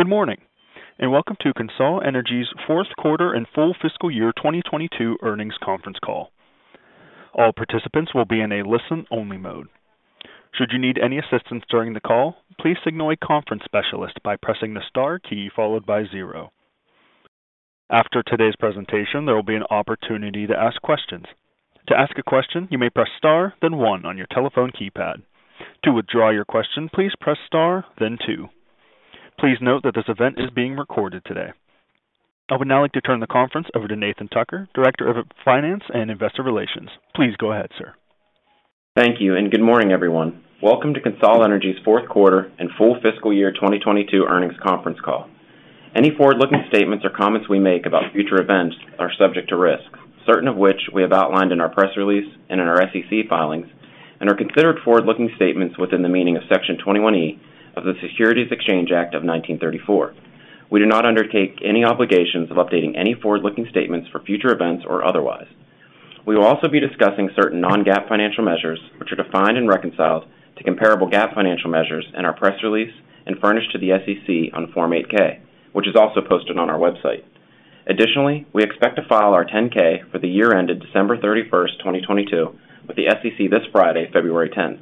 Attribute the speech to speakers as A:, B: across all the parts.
A: Good morning, and welcome to CONSOL Energy's fourth quarter and full fiscal year 2022 earnings conference call. All participants will be in a listen-only mode. Should you need any assistance during the call, please signal a conference specialist by pressing the star key followed by zero. After today's presentation, there will be an opportunity to ask questions. To ask a question, you may press star, then one on your telephone keypad. To withdraw your question, please press star, then two. Please note that this event is being recorded today. I would now like to turn the conference over to Nathan Tucker, Director of Finance and Investor Relations. Please go ahead, sir.
B: Thank you. Good morning, everyone. Welcome to CONSOL Energy's fourth quarter and full fiscal year 2022 earnings conference call. Any forward-looking statements or comments we make about future events are subject to risk, certain of which we have outlined in our press release and in our SEC filings and are considered forward-looking statements within the meaning of Section 21E of the Securities Exchange Act of 1934. We do not undertake any obligations of updating any forward-looking statements for future events or otherwise. We will also be discussing certain non-GAAP financial measures which are defined and reconciled to comparable GAAP financial measures in our press release and furnished to the SEC on Form 8-K, which is also posted on our website. Additionally, we expect to file our 10-K for the year ended December 31st, 2022 with the SEC this Friday, February 10th.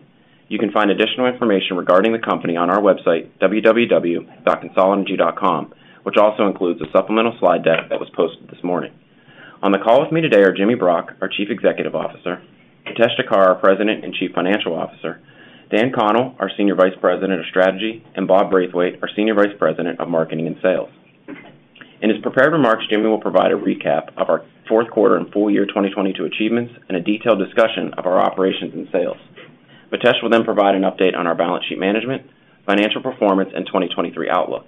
B: You can find additional information regarding the company on our website, www.consolenergy.com, which also includes a supplemental slide deck that was posted this morning. On the call with me today are Jimmy Brock, our Chief Executive Officer, Mitesh Thakkar, our President and Chief Financial Officer, Dan Connell, our Senior Vice President of Strategy, and Bob Braithwaite, our Senior Vice President of Marketing and Sales. In his prepared remarks, Jimmy will provide a recap of our fourth quarter and full year 2022 achievements and a detailed discussion of our operations and sales. Mitesh will then provide an update on our balance sheet management, financial performance, and 2023 outlook.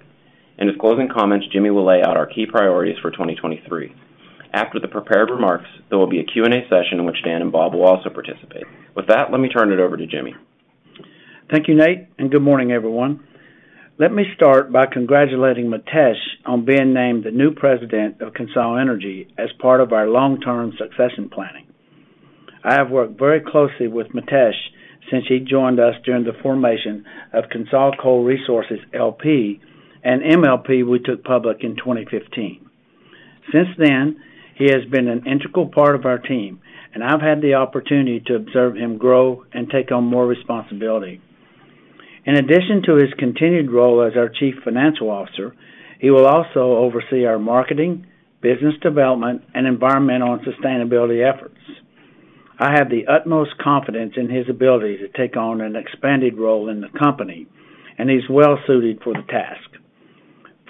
B: In his closing comments, Jimmy will lay out our key priorities for 2023. After the prepared remarks, there will be a Q&A session in which Dan and Bob will also participate. With that, let me turn it over to Jimmy.
C: Thank you, Nate. Good morning, everyone. Let me start by congratulating Mitesh on being named the new president of CONSOL Energy as part of our long-term succession planning. I have worked very closely with Mitesh since he joined us during the formation of CONSOL Coal Resources LP, an MLP we took public in 2015. Since then, he has been an integral part of our team. I've had the opportunity to observe him grow and take on more responsibility. In addition to his continued role as our chief financial officer, he will also oversee our marketing, business development, and environmental and sustainability efforts. I have the utmost confidence in his ability to take on an expanded role in the company. He's well suited for the task.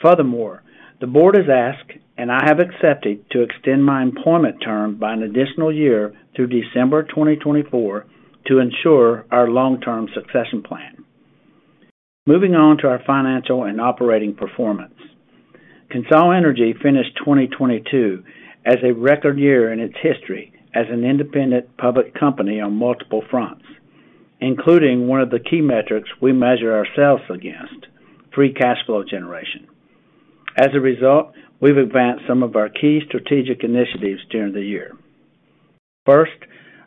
C: The board has asked, and I have accepted to extend my employment term by an additional year through December 2024 to ensure our long-term succession plan. Moving on to our financial and operating performance. CONSOL Energy finished 2022 as a record year in its history as an independent public company on multiple fronts, including one of the key metrics we measure ourselves against, free cash flow generation. As a result, we've advanced some of our key strategic initiatives during the year. First,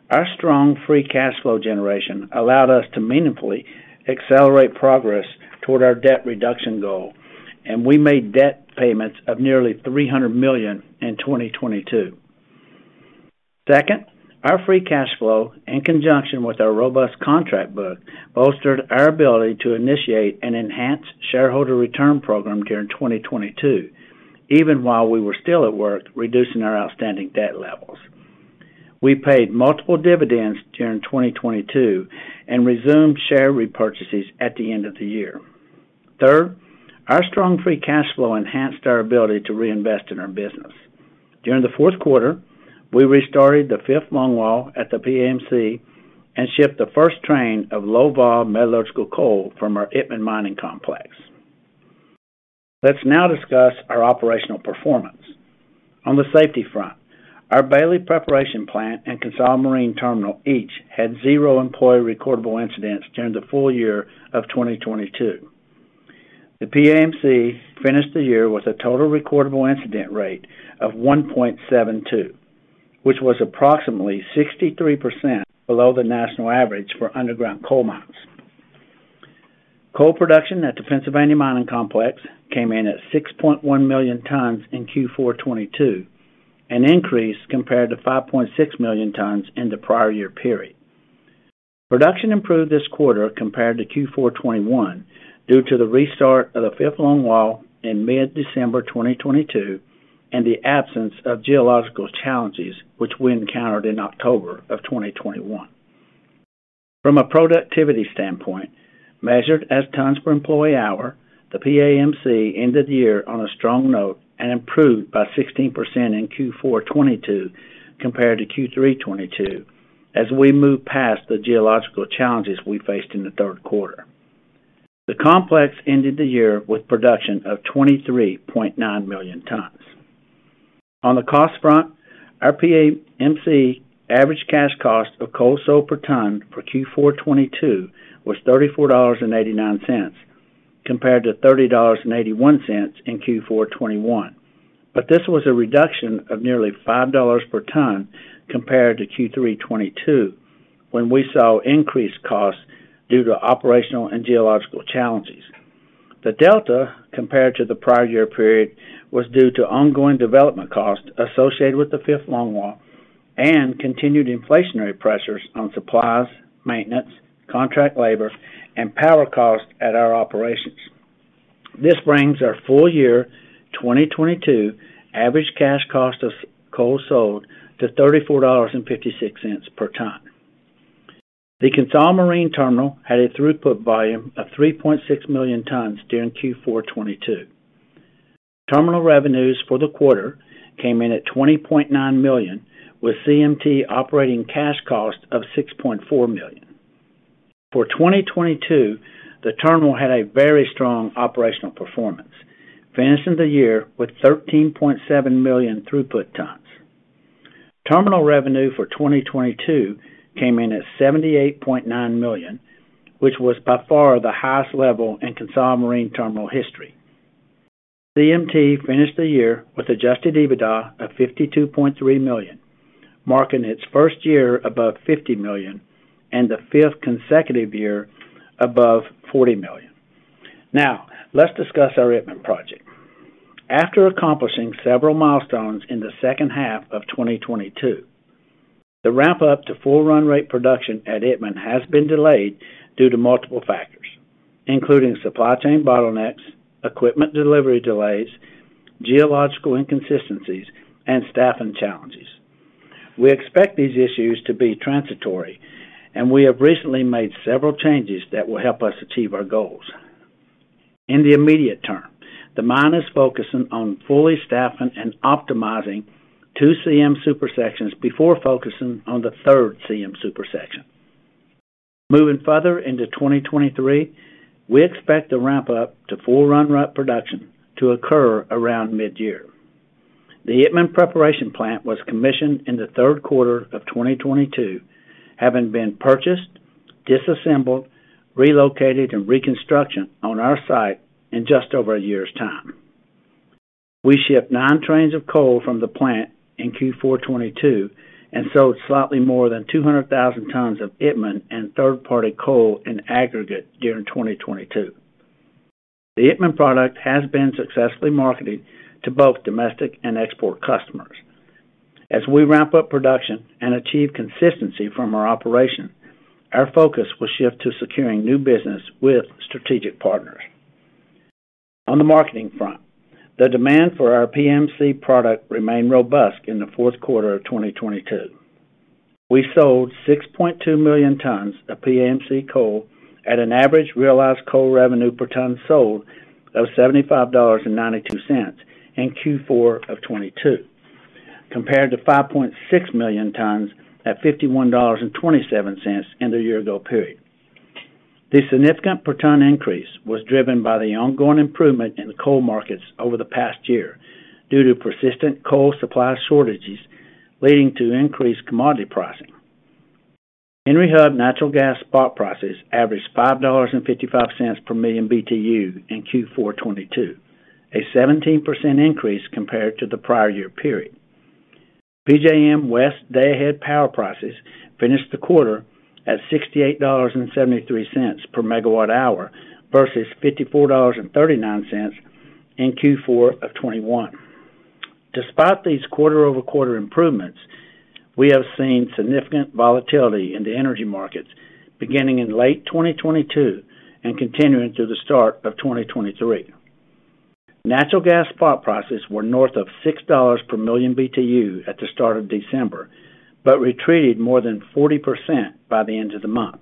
C: our strong free cash flow generation allowed us to meaningfully accelerate progress toward our debt reduction goal, and we made debt payments of nearly $300 million in 2022. Second, our free cash flow, in conjunction with our robust contract book, bolstered our ability to initiate an enhanced shareholder return program during 2022, even while we were still at work reducing our outstanding debt levels. We paid multiple dividends during 2022 and resumed share repurchases at the end of the year. Third, our strong free cash flow enhanced our ability to reinvest in our business. During the fourth quarter, we restarted the fifth longwall at the PAMC and shipped the first train of low-vol metallurgical coal from our Itmann Mining Complex. Let's now discuss our operational performance. On the safety front, our Bailey preparation plant and CONSOL Marine Terminal each had zero employee recordable incidents during the full year of 2022. The PAMC finished the year with a total recordable incident rate of 1.72, which was approximately 63% below the national average for underground coal mines. Coal production at the Pennsylvania Mining Complex came in at 6.1 million tons in Q4 2022, an increase compared to 5.6 million tons in the prior year period. Production improved this quarter compared to Q4 2021 due to the restart of the fifth longwall in mid-December 2022 and the absence of geological challenges which we encountered in October 2021. From a productivity standpoint, measured as tons per employee hour, the PAMC ended the year on a strong note and improved by 16% in Q4 2022 compared to Q3 2022 as we moved past the geological challenges we faced in the third quarter. The complex ended the year with production of 23.9 million tons. On the cost front, our PAMC average cash cost of coal sold per ton for Q4 2022 was $34.89 compared to $30.81 in Q4 2021. This was a reduction of nearly $5 per ton compared to Q3 2022 when we saw increased costs due to operational and geological challenges. The delta compared to the prior year period was due to ongoing development costs associated with the fifth longwall and continued inflationary pressures on supplies, maintenance, contract labor and power costs at our operations. This brings our full year 2022 average cash cost of coal sold to $34.56 per ton. The CONSOL Marine Terminal had a throughput volume of 3.6 million tons during Q4 2022. Terminal revenues for the quarter came in at $20.9 million, with CMT operating cash costs of $6.4 million. For 2022, the terminal had a very strong operational performance, finishing the year with 13.7 million throughput tons. Terminal revenue for 2022 came in at $78.9 million, which was by far the highest level in CONSOL Marine Terminal history. CMT finished the year with Adjusted EBITDA of $52.3 million, marking its first year above $50 million and the fifth consecutive year above $40 million. Now let's discuss our Itmann project. After accomplishing several milestones in the second half of 2022, the ramp up to full run rate production at Itmann has been delayed due to multiple factors, including supply chain bottlenecks, equipment delivery delays, geological inconsistencies and staffing challenges. We expect these issues to be transitory and we have recently made several changes that will help us achieve our goals. In the immediate term, the mine is focusing on fully staffing and optimizing 2 CM super-sections before focusing on the 3rd CM super-section. Moving further into 2023, we expect the ramp up to full run production to occur around mid-year. The Itmann preparation plant was commissioned in the 3rd quarter of 2022, having been purchased, disassembled, relocated and reconstruction on our site in just over a year's time. We shipped 9 trains of coal from the plant in Q4 2022 and sold slightly more than 200,000 tons of Itmann and third-party coal in aggregate during 2022. The Itmann product has been successfully marketed to both domestic and export customers. As we ramp up production and achieve consistency from our operation, our focus will shift to securing new business with strategic partners. On the marketing front, the demand for our PMC product remained robust in the fourth quarter of 2022. We sold 6.2 million tons of PMC coal at an average realized coal revenue per ton sold of $75.92 in Q4 2022, compared to 5.6 million tons at $51.27 in the year ago period. The significant per ton increase was driven by the ongoing improvement in the coal markets over the past year due to persistent coal supply shortages leading to increased commodity pricing. Henry Hub natural gas spot prices averaged $5.55 per million BTU in Q4 2022, a 17% increase compared to the prior year period. PJM West day ahead power prices finished the quarter at $68.73 per megawatt hour versus $54.39 in Q4 of 2021. Despite these quarter-over-quarter improvements, we have seen significant volatility in the energy markets beginning in late 2022 and continuing through the start of 2023. Natural gas spot prices were north of $6 per million BTU at the start of December, but retreated more than 40% by the end of the month.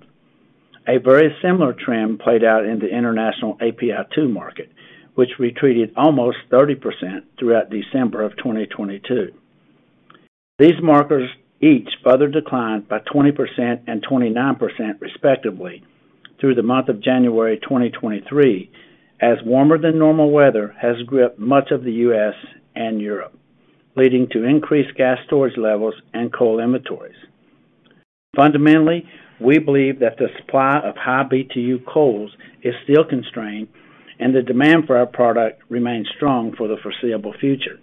C: A very similar trend played out in the international API2 market, which retreated almost 30% throughout December of 2022. These markers each further declined by 20% and 29% respectively through the month of January 2023, as warmer than normal weather has gripped much of the U.S. and Europe, leading to increased gas storage levels and coal inventories. Fundamentally, we believe that the supply of high-Btu coals is still constrained and the demand for our product remains strong for the foreseeable future.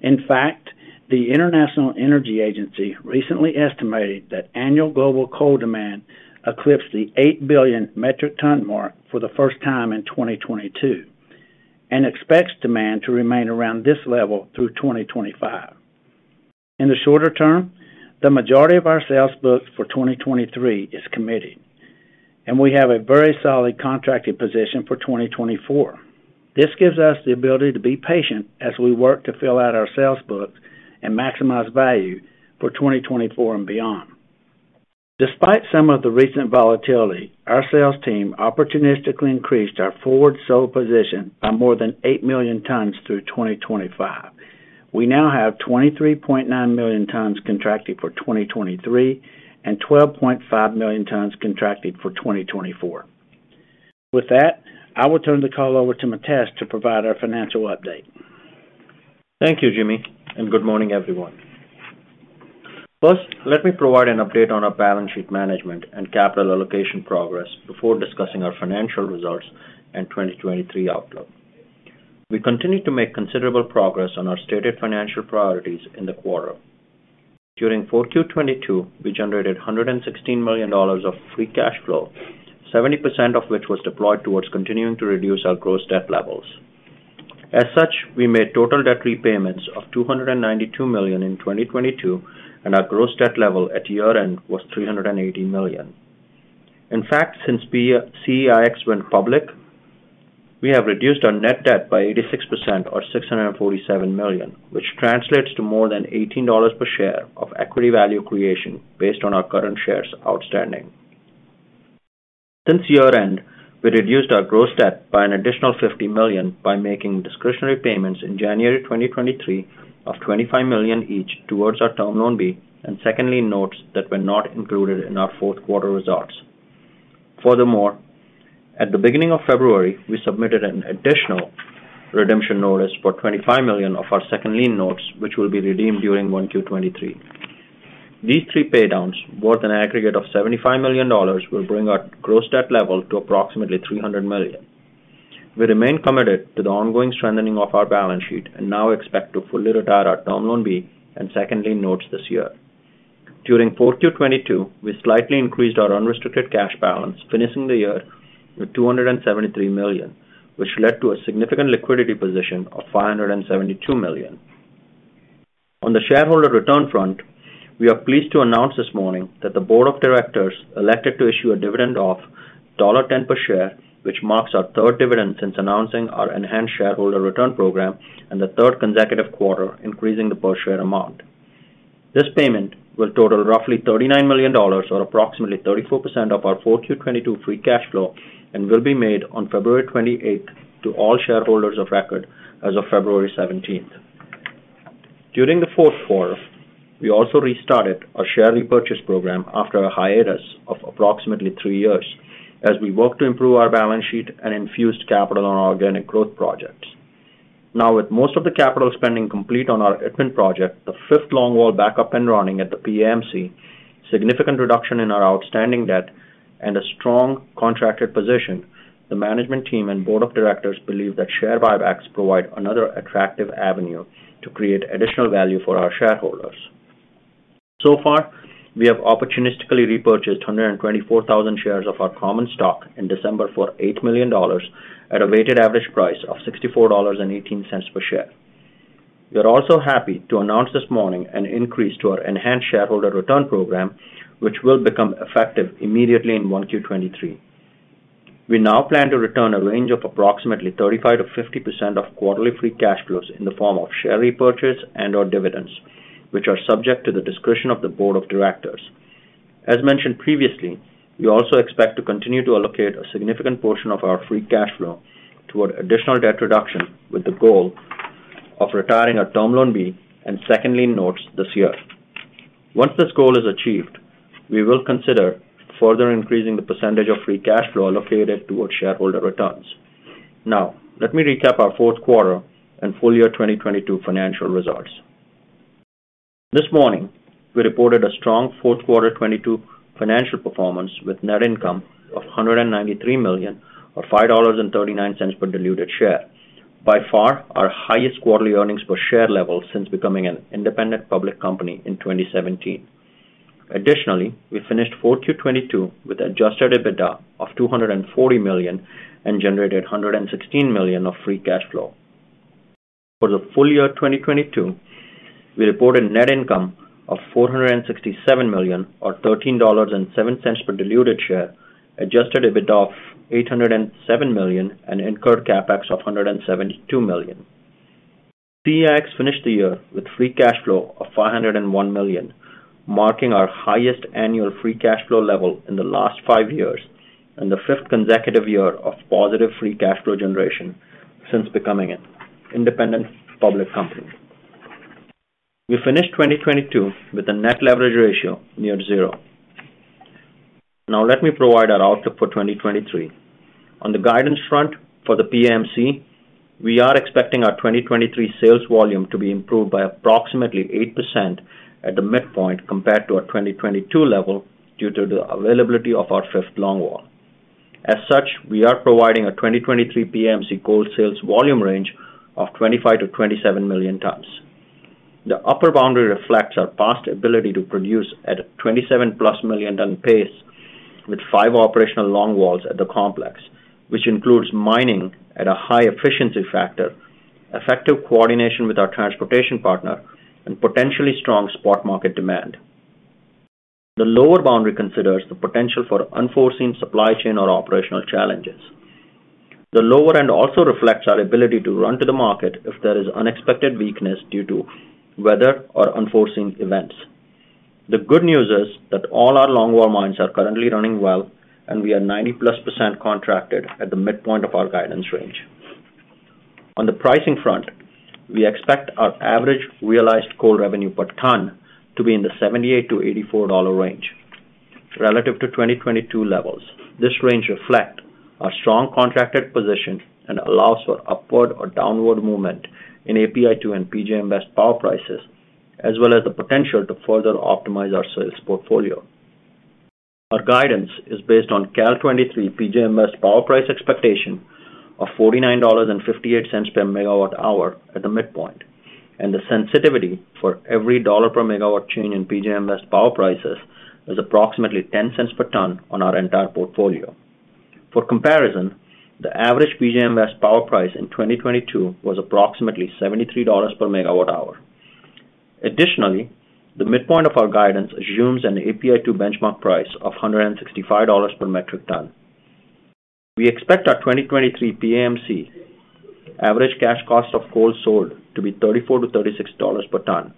C: In fact, the International Energy Agency recently estimated that annual global coal demand eclipsed the 8 billion metric ton mark for the first time in 2022 and expects demand to remain around this level through 2025. In the shorter term, the majority of our sales books for 2023 is committed and we have a very solid contracted position for 2024. This gives us the ability to be patient as we work to fill out our sales books and maximize value for 2024 and beyond. Despite some of the recent volatility, our sales team opportunistically increased our forward sold position by more than 8 million tons through 2025. We now have 23.9 million tons contracted for 2023 and 12.5 million tons contracted for 2024. With that, I will turn the call over to Mitesh to provide our financial update.
D: Thank you, Jimmy. Good morning, everyone. First, let me provide an update on our balance sheet management and capital allocation progress before discussing our financial results in 2023 outlook. We continued to make considerable progress on our stated financial priorities in the quarter. During Q4 2022, we generated $116 million of free cash flow, 70% of which was deployed towards continuing to reduce our gross debt levels. As such, we made total debt repayments of $292 million in 2022, and our gross debt level at year-end was $380 million. In fact, since CEIX went public, we have reduced our net debt by 86% or $647 million, which translates to more than $18 per share of equity value creation based on our current shares outstanding. Since year-end, we reduced our gross debt by an additional $50 million by making discretionary payments in January 2023 of $25 million each towards our Term Loan B and second lien notes that were not included in our fourth quarter results. At the beginning of February, we submitted an additional redemption notice for $25 million of our second lien notes, which will be redeemed during 1Q 2023. These three paydowns, worth an aggregate of $75 million, will bring our gross debt level to approximately $300 million. We remain committed to the ongoing strengthening of our balance sheet and now expect to fully retire our Term Loan B and second lien notes this year. During 4Q 2022, we slightly increased our unrestricted cash balance, finishing the year with $273 million, which led to a significant liquidity position of $572 million. On the shareholder return front, we are pleased to announce this morning that the board of directors elected to issue a dividend of $1.10 per share, which marks our third dividend since announcing our enhanced shareholder return program and the third consecutive quarter, increasing the per share amount. This payment will total roughly $39 million, or approximately 34% of our 4Q 2022 free cash flow, and will be made on February 28th to all shareholders of record as of February 17th. During the fourth quarter, we also restarted our share repurchase program after a hiatus of approximately three years as we worked to improve our balance sheet and infused capital on our organic growth projects. With most of the capital spending complete on our Itmann project, the fifth longwall back up and running at the PAMC, significant reduction in our outstanding debt and a strong contracted position, the management team and board of directors believe that share buybacks provide another attractive avenue to create additional value for our shareholders. So far, we have opportunistically repurchased 124,000 shares of our common stock in December for $8 million at a weighted average price of $64.18 per share. We are also happy to announce this morning an increase to our enhanced shareholder return program, which will become effective immediately in 1Q 2023. We now plan to return a range of approximately 35%-50% of quarterly free cash flows in the form of share repurchase and/or dividends, which are subject to the discretion of the board of directors. As mentioned previously, we also expect to continue to allocate a significant portion of our free cash flow toward additional debt reduction, with the goal of retiring our Term Loan B and second lien notes this year. Once this goal is achieved, we will consider further increasing the percentage of free cash flow allocated towards shareholder returns. Let me recap our fourth quarter and full year 2022 financial results. This morning, we reported a strong fourth quarter 2022 financial performance with net income of $193 million or $5.39 per diluted share. By far our highest quarterly earnings per share level since becoming an independent public company in 2017. Additionally, we finished 4Q 2022 with Adjusted EBITDA of $240 million and generated $116 million of free cash flow. For the full year 2022, we reported net income of $467 million or $13.07 per diluted share, Adjusted EBITDA of $807 million, and incurred CapEx of $172 million. CEIX finished the year with free cash flow of $501 million, marking our highest annual free cash flow level in the last five years and the fifth consecutive year of positive free cash flow generation since becoming an independent public company. We finished 2022 with a net leverage ratio near zero. Now let me provide our outlook for 2023. On the guidance front for the PAMC, we are expecting our 2023 sales volume to be improved by approximately 8% at the midpoint compared to our 2022 level due to the availability of our 5th longwall. As such, we are providing a 2023 PAMC coal sales volume range of 25-27 million tons. The upper boundary reflects our past ability to produce at a 27+ million ton pace with five operational longwalls at the complex, which includes mining at a high efficiency factor, effective coordination with our transportation partner, and potentially strong spot market demand. The lower boundary considers the potential for unforeseen supply chain or operational challenges. The lower end also reflects our ability to run to the market if there is unexpected weakness due to weather or unforeseen events. The good news is that all our longwall mines are currently running well. We are 90%+ contracted at the midpoint of our guidance range. On the pricing front, we expect our average realized coal revenue per ton to be in the $78-$84 range. Relative to 2022 levels, this range reflect our strong contracted position and allows for upward or downward movement in API2 and PJM power prices, as well as the potential to further optimize our sales portfolio. Our guidance is based on 2023 PJM power price expectation of $49.58 per megawatt-hour at the midpoint. The sensitivity for every dollar per megawatt change in PJM power prices is approximately $0.10 per ton on our entire portfolio. For comparison, the average PJM power price in 2022 was approximately $73 per megawatt-hour. Additionally, the midpoint of our guidance assumes an API2 benchmark price of $165 per metric ton. We expect our 2023 PAMC average cash cost of coal sold to be $34-$36 per ton.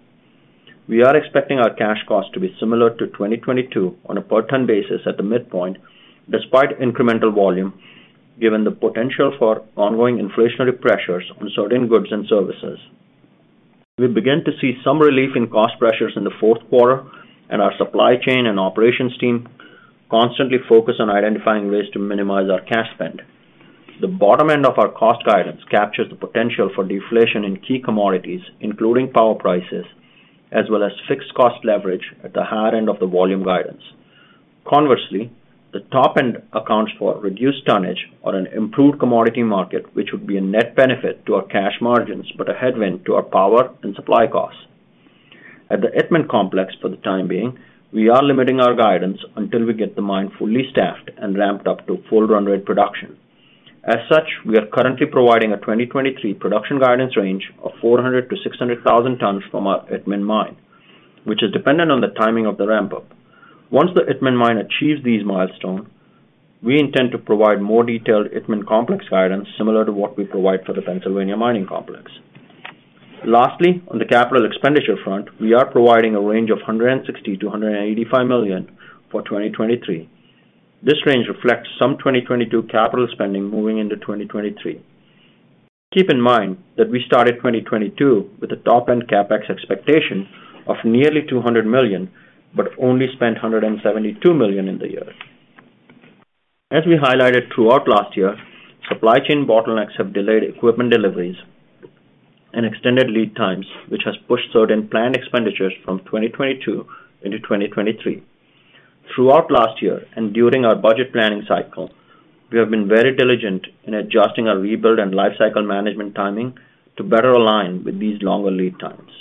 D: We are expecting our cash cost to be similar to 2022 on a per ton basis at the midpoint despite incremental volume, given the potential for ongoing inflationary pressures on certain goods and services. We begin to see some relief in cost pressures in the fourth quarter. Our supply chain and operations team constantly focus on identifying ways to minimize our cash spend. The bottom end of our cost guidance captures the potential for deflation in key commodities, including power prices, as well as fixed cost leverage at the higher end of the volume guidance. The top end accounts for reduced tonnage on an improved commodity market, which would be a net benefit to our cash margins, but a headwind to our power and supply costs. At the Itmann Complex for the time being, we are limiting our guidance until we get the mine fully staffed and ramped up to full run rate production. We are currently providing a 2023 production guidance range of 400,000-600,000 tons from our Itmann Mine, which is dependent on the timing of the ramp up. Once the Itmann Mine achieves these milestones, we intend to provide more detailed Itmann Complex guidance similar to what we provide for the Pennsylvania mining complex. On the CapEx front, we are providing a range of $160 million-$185 million for 2023. This range reflects some 2022 capital spending moving into 2023. Keep in mind that we started 2022 with a top-end CapEx expectation of nearly $200 million, but only spent $172 million in the year. As we highlighted throughout last year, supply chain bottlenecks have delayed equipment deliveries and extended lead times, which has pushed certain planned expenditures from 2022 into 2023. Throughout last year and during our budget planning cycle, we have been very diligent in adjusting our rebuild and lifecycle management timing to better align with these longer lead times.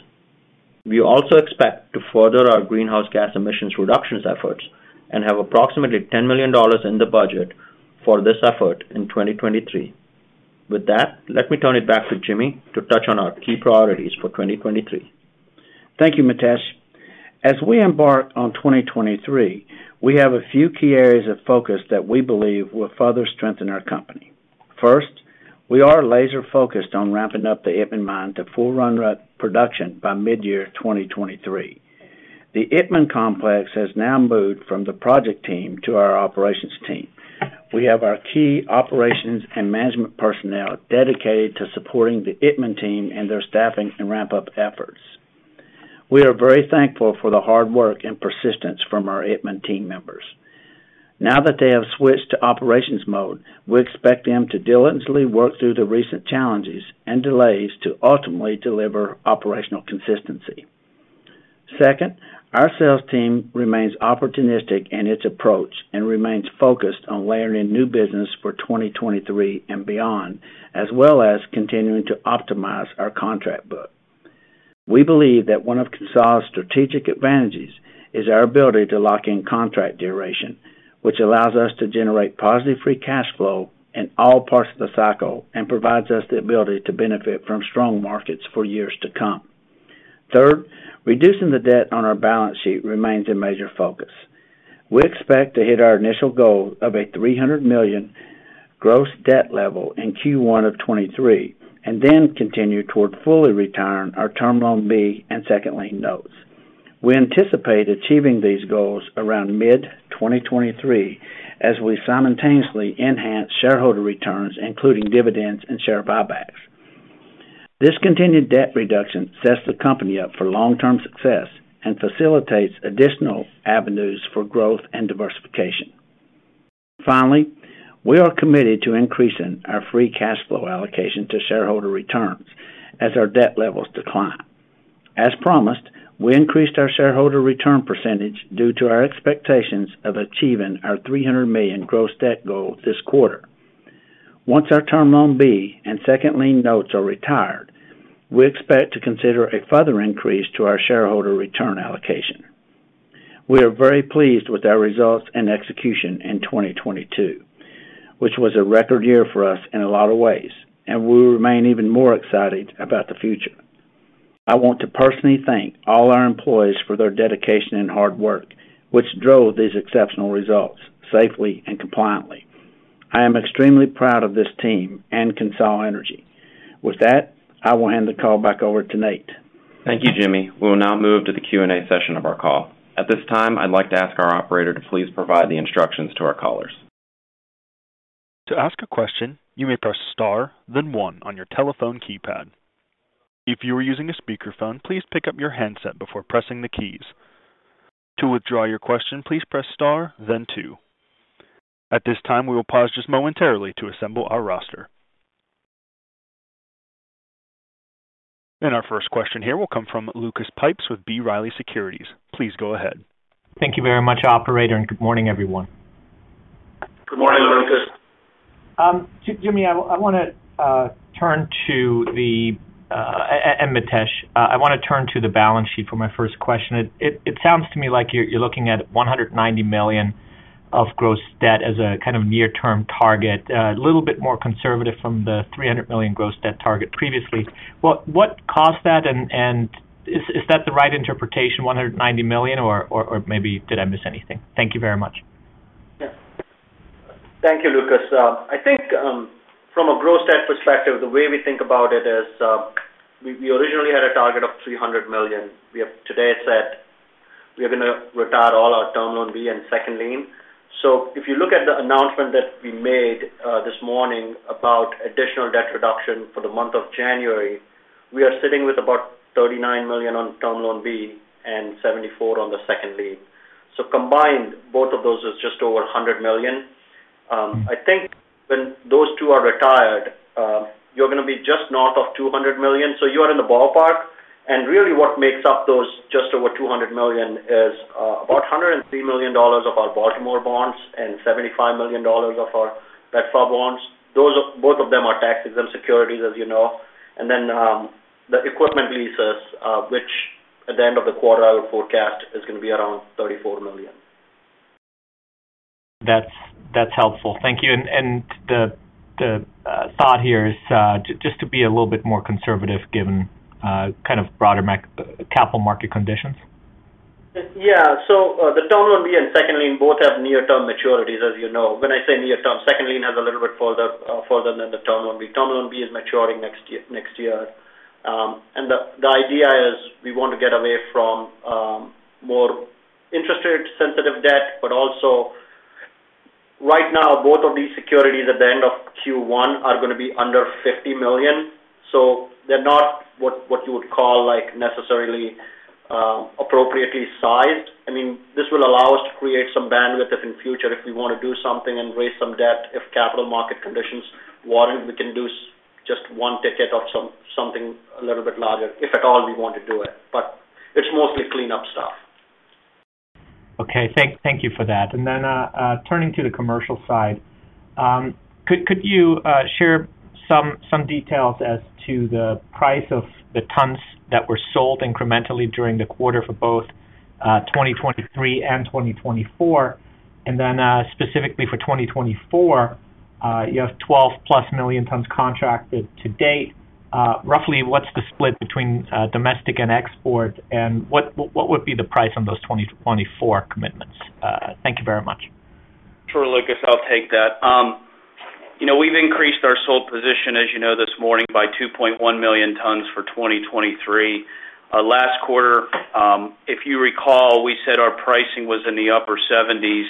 D: We also expect to further our greenhouse gas emissions reductions efforts and have approximately $10 million in the budget for this effort in 2023. With that, let me turn it back to Jimmy to touch on our key priorities for 2023.
C: Thank you, Mitesh. As we embark on 2023, we have a few key areas of focus that we believe will further strengthen our company. First, we are laser focused on ramping up the Itmann Mine to full run rate production by mid-year 2023. The Itmann Complex has now moved from the project team to our operations team. We have our key operations and management personnel dedicated to supporting the Itmann team and their staffing and ramp-up efforts. We are very thankful for the hard work and persistence from our Itmann team members. Now that they have switched to operations mode, we expect them to diligently work through the recent challenges and delays to ultimately deliver operational consistency. Second, our sales team remains opportunistic in its approach and remains focused on layering new business for 2023 and beyond, as well as continuing to optimize our contract book. We believe that one of Consol's strategic advantages is our ability to lock in contract duration, which allows us to generate positive free cash flow in all parts of the cycle and provides us the ability to benefit from strong markets for years to come. Third, reducing the debt on our balance sheet remains a major focus. We expect to hit our initial goal of a $300 million gross debt level in Q1 of 2023, and then continue toward fully retiring our Term Loan B and second lien notes. We anticipate achieving these goals around mid-2023 as we simultaneously enhance shareholder returns, including dividends and share buybacks. This continued debt reduction sets the company up for long-term success and facilitates additional avenues for growth and diversification. Finally, we are committed to increasing our free cash flow allocation to shareholder returns as our debt levels decline. As promised, we increased our shareholder return percentage due to our expectations of achieving our $300 million gross debt goal this quarter. Once our Term Loan B and second lien notes are retired, we expect to consider a further increase to our shareholder return allocation. We are very pleased with our results and execution in 2022, which was a record year for us in a lot of ways, and we remain even more excited about the future. I want to personally thank all our employees for their dedication and hard work, which drove these exceptional results safely and compliantly. I am extremely proud of this team and CONSOL Energy. With that, I will hand the call back over to Nate.
B: Thank you, Jimmy. We will now move to the Q&A session of our call. At this time, I'd like to ask our operator to please provide the instructions to our callers.
A: To ask a question, you may press star then one on your telephone keypad. If you are using a speakerphone, please pick up your handset before pressing the keys. To withdraw your question, please press star then two. At this time, we will pause just momentarily to assemble our roster. Our first question here will come from Lucas Pipes with B. Riley Securities. Please go ahead.
E: Thank you very much, operator, and good morning, everyone.
C: Good morning, Lucas.
E: Jimmy, I wanna turn to the and Mitesh. I wanna turn to the balance sheet for my first question. It sounds to me like you're looking at $190 million of gross debt as a kind of near-term target. A little bit more conservative from the $300 million gross debt target previously. What caused that? Is that the right interpretation, $190 million? Maybe did I miss anything? Thank you very much.
D: Yeah. Thank you, Lucas. I think from a gross debt perspective, the way we think about it is, we originally had a target of $300 million. We have today said we are gonna retire all our Term Loan B and second lien. If you look at the announcement that we made this morning about additional debt reduction for the month of January, we are sitting with about $39 million on Term Loan B and $74 million on the second lien. Combined, both of those is just over $100 million. I think when those two are retired, you're gonna be just north of $200 million, so you are in the ballpark. Really what makes up those just over $200 million is about $103 million of our Baltimore bonds and $75 million of our PEDFA bonds. Both of them are tax-exempt securities, as you know. Then the equipment leases, which at the end of the quarter I would forecast is gonna be around $34 million.
E: That's helpful. Thank you. The thought here is just to be a little bit more conservative given kind of broader capital market conditions.
D: Yeah. The Term Loan B and second lien both have near-term maturities, as you know. When I say near term, second lien has a little bit further than the Term Loan B. Term Loan B is maturing next year. The idea is we want to get away from more interest rate sensitive debt, but also right now both of these securities at the end of Q1 are going to be under $50 million. They're not what you would call like necessarily appropriately sized. I mean, this will allow us to create some bandwidth if in future if we want to do something and raise some debt. If capital market conditions warrant, we can do just one ticket of something a little bit larger, if at all we want to do it. It's mostly cleanup stuff.
E: Okay. Thank you for that. Turning to the commercial side, could you share some details as to the price of the tons that were sold incrementally during the quarter for both 2023 and 2024? Specifically for 2024, you have 12 plus million tons contracted to date. Roughly what's the split between domestic and export and what would be the price on those 2024 commitments? Thank you very much.
F: Sure, Lucas. I'll take that. You know, we've increased our sold position, as you know, this morning by 2.1 million tons for 2023. Last quarter, if you recall, we said our pricing was in the upper $70s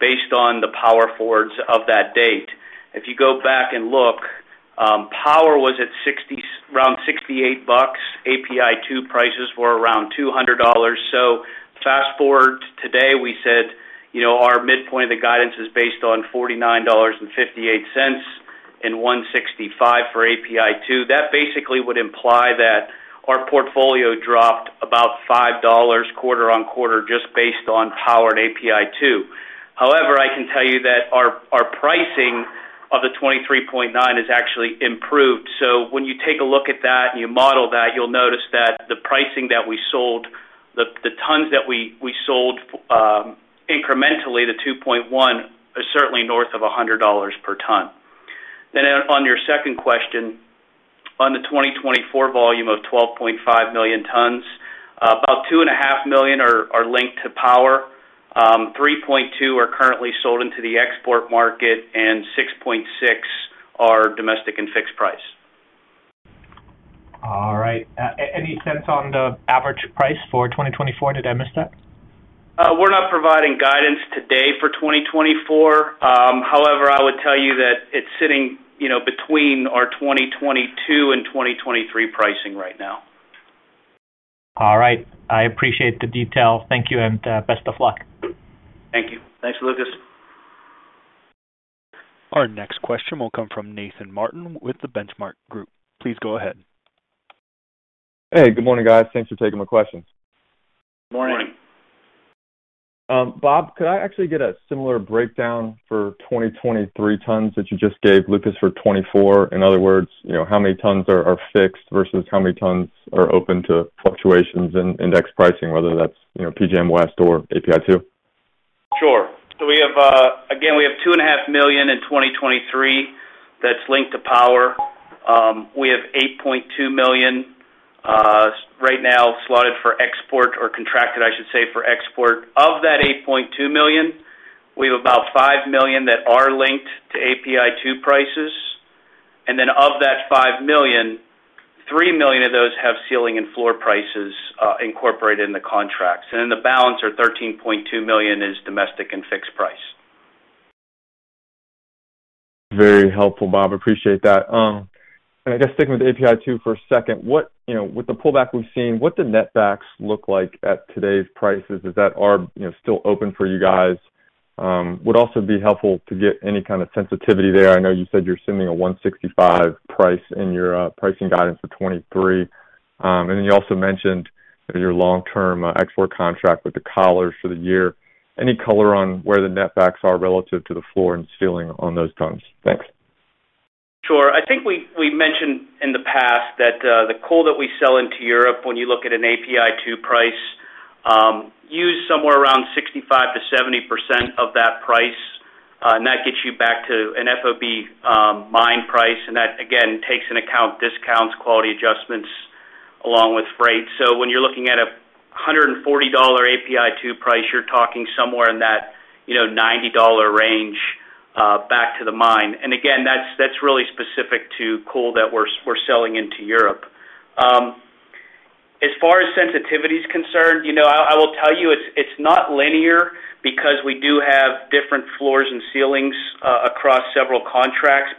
F: based on the power forwards of that date. If you go back and look, power was at around $68. API2 prices were around $200. Fast-forward to today, we said, you know, our midpoint of the guidance is based on $49.58 and $165 for API2. That basically would imply that our portfolio dropped about $5 quarter-on-quarter just based on power and API2. However, I can tell you that our pricing of the 23.9 is actually improved. When you take a look at that and you model that, you'll notice that the pricing that we sold, the tons that we sold incrementally, the 2.1, are certainly north of $100 per ton. On your second question, on the 2024 volume of 12.5 million tons, about 2.5 million are linked to power. 3.2 are currently sold into the export market, and 6.6 are domestic and fixed price.
E: All right. Any sense on the average price for 2024? Did I miss that?
F: We're not providing guidance today for 2024. However, I would tell you that it's sitting, you know, between our 2022 and 2023 pricing right now.
E: All right. I appreciate the detail. Thank you, best of luck.
F: Thank you.
D: Thanks, Lucas.
A: Our next question will come from Nathan Martin with The Benchmark Group. Please go ahead.
G: Hey, good morning, guys. Thanks for taking my questions.
F: Morning.
D: Morning.
G: Bob, could I actually get a similar breakdown for 2023 tons that you just gave Lucas for 2024? In other words, you know, how many tons are fixed versus how many tons are open to fluctuations in index pricing, whether that's, you know, PJM West or API2?
F: Sure. We have, again, we have two and a half million in 2023 that's linked to power. We have $8.2 million, right now slotted for export or contracted, I should say, for export. Of that $8.2 million, we have about $5 million that are linked to API2 prices. Of that $5 million, incorporated in the contracts. The balance of $13.2 million is domestic and fixed price.
G: Very helpful, Bob. Appreciate that. I guess sticking with API2 for a second, what, you know, with the pullback we've seen, what do net backs look like at today's prices? Is that arb, you know, still open for you guys? Would also be helpful to get any kind of sensitivity there. I know you said you're assuming a $165 price in your pricing guidance for 2023. Then you also mentioned your long-term export contract with the collars for the year. Any color on where the net backs are relative to the floor and ceiling on those tons? Thanks.
F: Sure. I think we mentioned in the past that the coal that we sell into Europe, when you look at an API2 price, use somewhere around 65%-70% of that price, and that gets you back to an FOB mine price. That, again, takes into account discounts, quality adjustments, along with freight. When you're looking at a $140 API2 price, you're talking somewhere in that, you know, $90 range back to the mine. Again, that's really specific to coal that we're selling into Europe. As far as sensitivity is concerned, you know, I will tell you it's not linear because we do have different floors and ceilings across several contracts.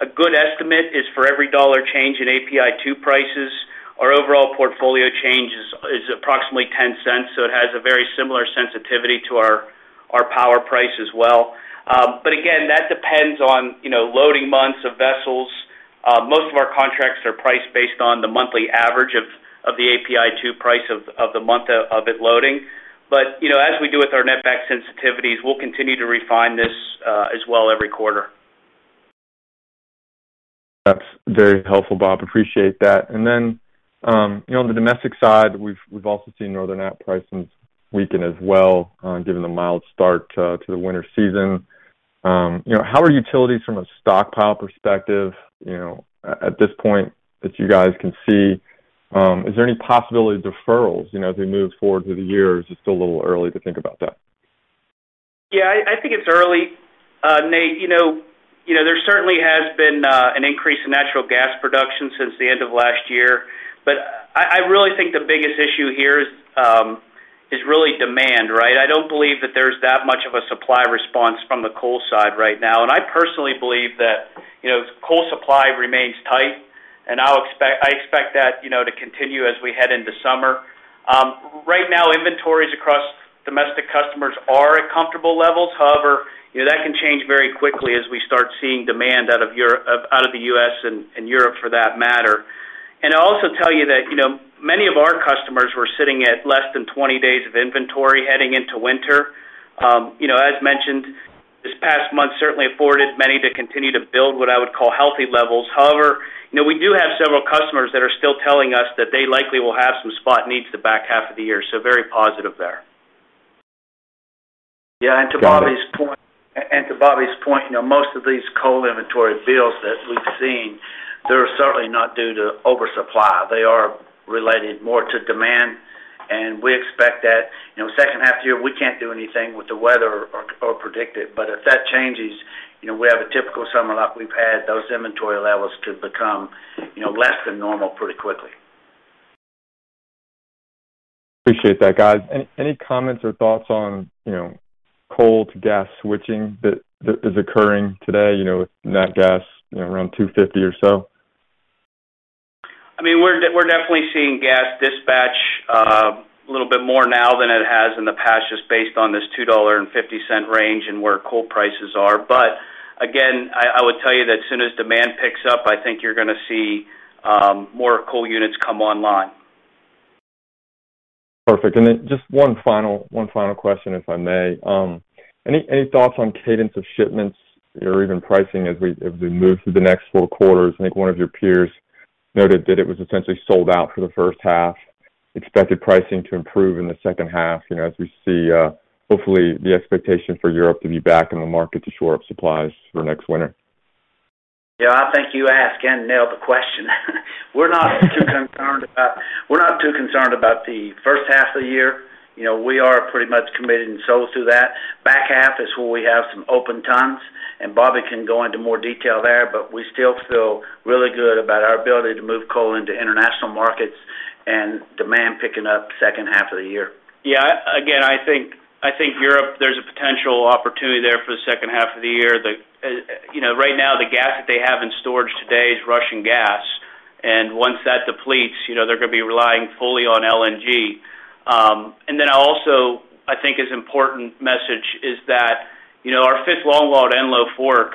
F: A good estimate is for every dollar change in API2 prices, our overall portfolio change is approximately $0.10. It has a very similar sensitivity to our power price as well. Again, that depends on, you know, loading months of vessels. Most of our contracts are priced based on the monthly average of the API2 price of the month of it loading. You know, as we do with our net back sensitivities, we'll continue to refine this as well every quarter.
G: That's very helpful, Bob. Appreciate that. You know, on the domestic side, we've also seen Northern Appalachia prices weaken as well, given the mild start to the winter season. You know, how are utilities from a stockpile perspective, you know, at this point that you guys can see? Is there any possibility of deferrals, you know, as we move forward through the year, or is it still a little early to think about that?
F: Yeah, I think it's early. Nate, you know, there certainly has been an increase in natural gas production since the end of last year. I really think the biggest issue here is really demand, right? I don't believe that there's that much of a supply response from the coal side right now. I personally believe that, you know, coal supply remains tight, and I expect that, you know, to continue as we head into summer. Right now, inventories across domestic customers are at comfortable levels. However, you know, that can change very quickly as we start seeing demand out of the US and Europe for that matter. I'll also tell you that, you know, many of our customers were sitting at less than 20 days of inventory heading into winter. You know, as mentioned, this past month certainly afforded many to continue to build what I would call healthy levels. You know, we do have several customers that are still telling us that they likely will have some spot needs the back half of the year, so very positive there.
C: Yeah, and to Bobby's point, you know, most of these coal inventory builds that we've seen, they're certainly not due to oversupply. They are related more to demand, and we expect that. You know, second half of the year, we can't do anything with the weather or predict it. If that changes, you know, we have a typical summer like we've had, those inventory levels could become, you know, less than normal pretty quickly.
G: Appreciate that, guys. Any comments or thoughts on, you know, coal to gas switching that is occurring today, you know, with nat gas, you know, around $2.50 or so?
F: I mean, we're definitely seeing gas dispatch, a little bit more now than it has in the past, just based on this $2.50 range and where coal prices are. Again, I would tell you that as soon as demand picks up, I think you're gonna see more coal units come online.
G: Perfect. Just one final question, if I may. Any thoughts on cadence of shipments or even pricing as we move through the next four quarters? I think one of your peers noted that it was essentially sold out for the first half, expected pricing to improve in the second half, you know, as we see, hopefully the expectation for Europe to be back in the market to shore up supplies for next winter.
C: Yeah. I think you asked and nailed the question. We're not too concerned about the first half of the year. You know, we are pretty much committed and sold through that. Back half is where we have some open tons. Bobby can go into more detail there. We still feel really good about our ability to move coal into international markets and demand picking up second half of the year.
F: Again, I think Europe, there's a potential opportunity there for the second half of the year. you know, right now the gas that they have in storage today is Russian gas. Once that depletes, you know, they're gonna be relying fully on LNG. Also I think is important message is that, you know, our fifth longwall at Enlow Fork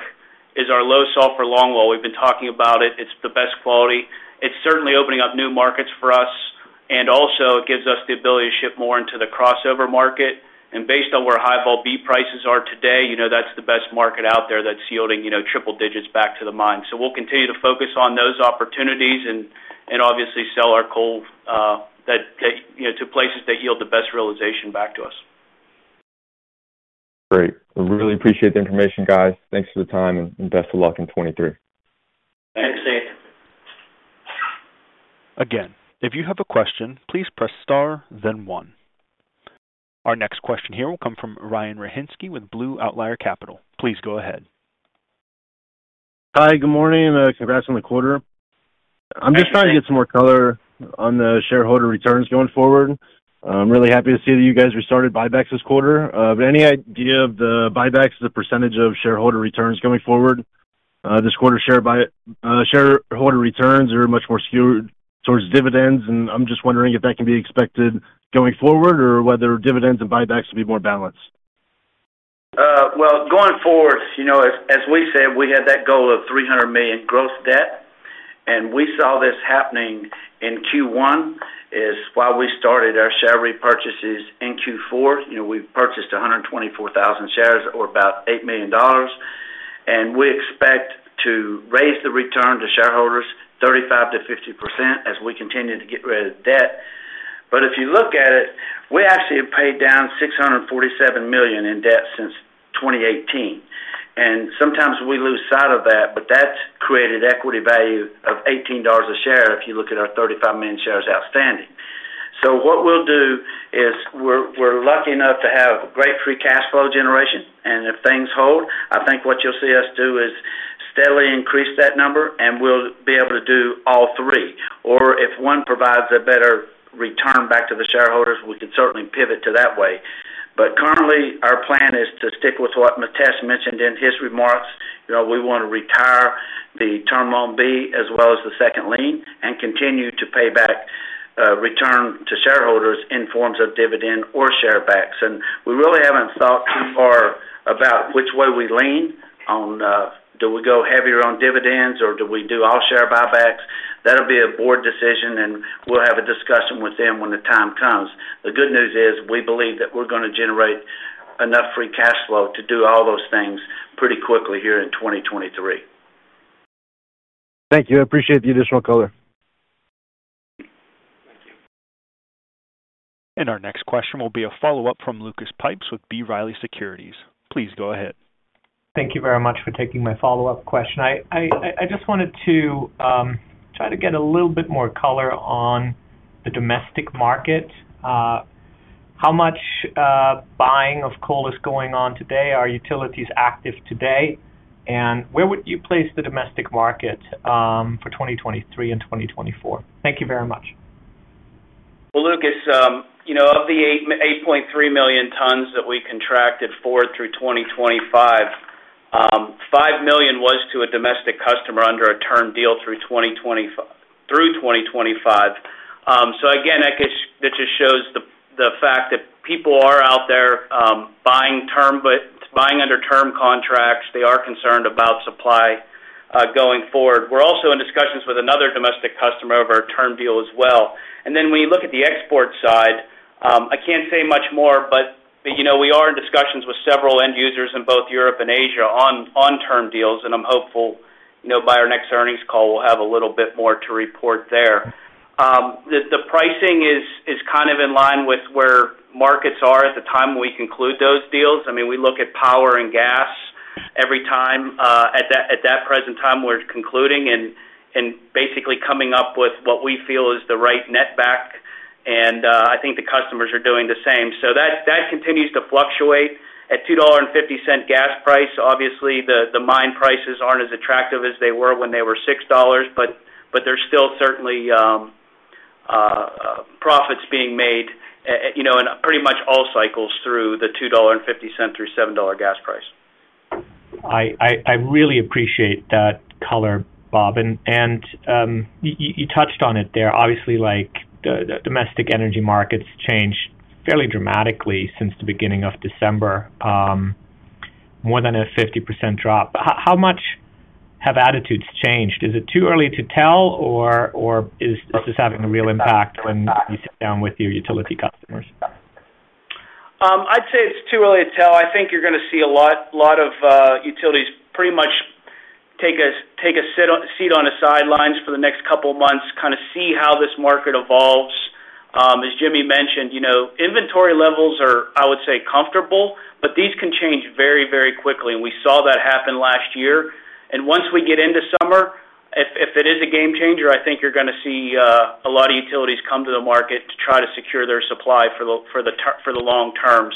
F: is our low sulfur longwall. We've been talking about it. It's the best quality. It's certainly opening up new markets for us, and also it gives us the ability to ship more into the crossover market. Based on where High-Vol B prices are today, you know that's the best market out there that's yielding, you know, triple digits back to the mine. We'll continue to focus on those opportunities and obviously sell our coal, that take, you know, to places that yield the best realization back to us.
G: Great. I really appreciate the information, guys. Thanks for the time and best of luck in 2023.
C: Thanks, Nate.
A: If you have a question, please press star then one. Our next question here will come from Ryan Rahinsky with Blue Outlier Capital. Please go ahead.
H: Hi, good morning. Congrats on the quarter.
C: Hey, thanks.
H: I'm just trying to get some more color on the shareholder returns going forward. I'm really happy to see that you guys restarted buybacks this quarter. Any idea of the buybacks as a percentage of shareholder returns going forward? This quarter's shareholder returns are much more skewed towards dividends, and I'm just wondering if that can be expected going forward or whether dividends and buybacks will be more balanced.
C: Well, going forward, you know, as we said, we had that goal of $300 million gross debt. We saw this happening in Q1 is why we started our share repurchases in Q4. You know, we've purchased 124,000 shares or about $8 million. We expect to raise the return to shareholders 35%-50% as we continue to get rid of debt. If you look at it, we actually have paid down $647 million in debt since 2018. Sometimes we lose sight of that, but that's created equity value of $18 a share if you look at our 35 million shares outstanding. What we'll do is we're lucky enough to have great free cash flow generation. If things hold, I think what you'll see us do is steadily increase that number, and we'll be able to do all three. If one provides a better return back to the shareholders, we could certainly pivot to that way. Currently, our plan is to stick with what Mitesh mentioned in his remarks. You know, we want to retire the Term Loan B as well as the second lien and continue to pay back, return to shareholders in forms of dividend or share backs. We really haven't thought too far about which way we lean on, do we go heavier on dividends or do we do all share buybacks? That'll be a board decision, and we'll have a discussion with them when the time comes. The good news is we believe that we're gonna generate enough free cash flow to do all those things pretty quickly here in 2023.
H: Thank you. I appreciate the additional color.
C: Thank you.
A: Our next question will be a follow-up from Lucas Pipes with B. Riley Securities. Please go ahead.
E: Thank you very much for taking my follow-up question. I just wanted to try to get a little bit more color on the domestic market. How much buying of coal is going on today? Are utilities active today? Where would you place the domestic market for 2023 and 2024? Thank you very much.
F: Well, Lucas, you know, of the 8.3 million tons that we contracted forward through 2025, 5 million was to a domestic customer under a term deal through 2025. Again, I guess that just shows the fact that people are out there, buying term, but buying under term contracts. They are concerned about supply, going forward. We're also in discussions with another domestic customer of our term deal as well. When you look at the export side, I can't say much more, but, you know, we are in discussions with several end users in both Europe and Asia on term deals, and I'm hopeful, you know, by our next earnings call, we'll have a little bit more to report there. The pricing is kind of in line with where markets are at the time we conclude those deals. I mean, we look at power and gas every time, at that present time we're concluding and basically coming up with what we feel is the right net back. I think the customers are doing the same. That continues to fluctuate. At $2.50 gas price, obviously the mine prices aren't as attractive as they were when they were $6, but there's still certainly profits being made, you know, in pretty much all cycles through the $2.50 through $7 gas price.
E: I really appreciate that color, Bob. You touched on it there. Obviously, like the domestic energy markets changed fairly dramatically since the beginning of December, more than a 50% drop. How much have attitudes changed? Is it too early to tell or is this having a real impact when you sit down with your utility customers?
F: I'd say it's too early to tell. I think you're gonna see a lot of utilities pretty much take a seat on the sidelines for the next couple of months, kinda see how this market evolves. As Jimmy mentioned, you know, inventory levels are, I would say, comfortable, but these can change very quickly. We saw that happen last year. Once we get into summer, if it is a game changer, I think you're gonna see a lot of utilities come to the market to try to secure their supply for the long term.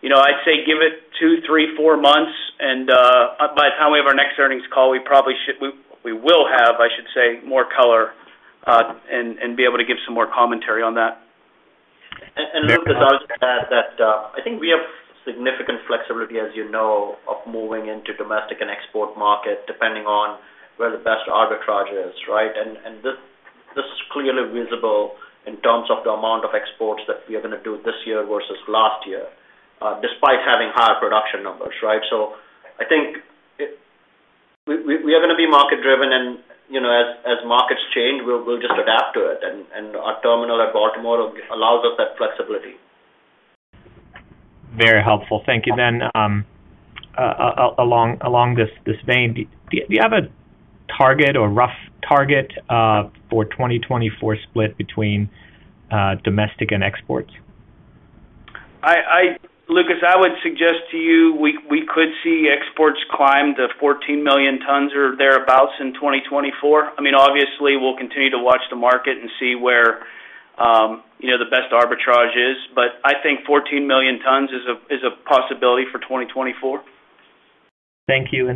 F: You know, I'd say give it two, three, four months, and by the time we have our next earnings call, we will have, I should say, more color, and be able to give some more commentary on that.
D: Lucas, I would add that, I think we have significant flexibility, as you know, of moving into domestic and export market depending on where the best arbitrage is, right? This is clearly visible in terms of the amount of exports that we are gonna do this year versus last year, despite having higher production numbers, right? I think we are gonna be market-driven and, you know, as markets change, we'll just adapt to it. Our terminal at Baltimore allows us that flexibility.
E: Very helpful. Thank you. Along this vein, do you have a target or rough target for 2024 split between domestic and exports?
F: Lucas, I would suggest to you we could see exports climb to 14 million tons or thereabouts in 2024. I mean, obviously we'll continue to watch the market and see where, you know, the best arbitrage is. I think 14 million tons is a possibility for 2024.
E: Thank you.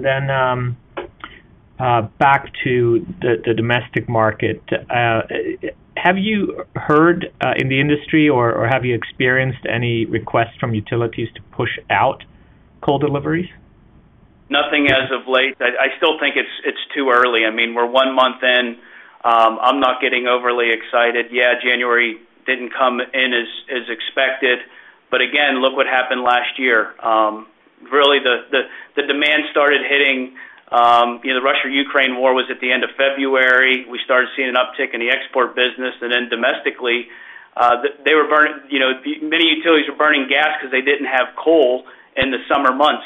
E: back to the domestic market. Have you heard in the industry or have you experienced any requests from utilities to push out coal deliveries?
F: Nothing as of late. I still think it's too early. I mean, we're one month in. I'm not getting overly excited. Yeah, January didn't come in as expected. Again, look what happened last year. really the demand started hitting, you know, the Russo-Ukrainian War was at the end of February. We started seeing an uptick in the export business. Then domestically, they were burning, you know, many utilities were burning gas 'cause they didn't have coal in the summer months.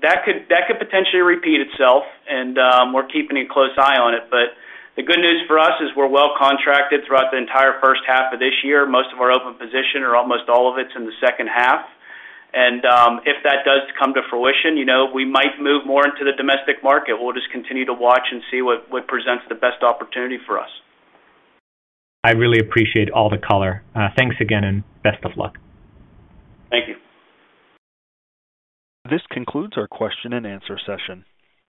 F: That could potentially repeat itself and we're keeping a close eye on it. The good news for us is we're well contracted throughout the entire first half of this year. Most of our open position or almost all of it's in the second half. If that does come to fruition, you know, we might move more into the domestic market. We'll just continue to watch and see what presents the best opportunity for us.
E: I really appreciate all the color. Thanks again and best of luck.
F: Thank you.
A: This concludes our question and answer session.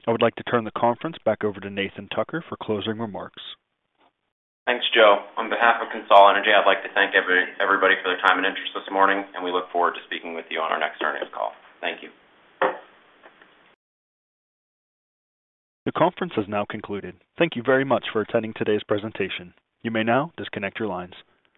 A: I would like to turn the conference back over to Nathan Tucker for closing remarks.
B: Thanks, Joe. On behalf of CONSOL Energy, I'd like to thank everybody for their time and interest this morning. We look forward to speaking with you on our next earnings call. Thank you.
A: The conference has now concluded. Thank you very much for attending today's presentation. You may now disconnect your lines.